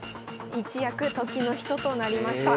一躍時の人となりました。